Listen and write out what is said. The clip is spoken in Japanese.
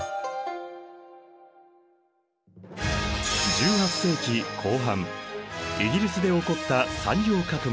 １８世紀後半イギリスで起こった産業革命。